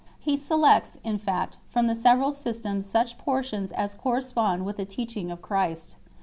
He selects, in fact, from the several systems such portions as correspond with the teaching of Christ.